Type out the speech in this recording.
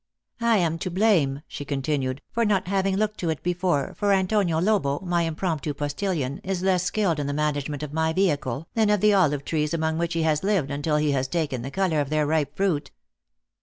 " I am to blame," she continued, " for not having looked to it before, for Antonio Lobo, my impromptu postillion, is less skilled in the manage ment of my vehicle, than of the olive trees among which he has lived until he has taken the color of their ripe fruit."